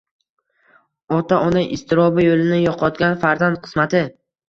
Ota-ona iztirobi, yoʻlini yoʻqotgan farzand qismati...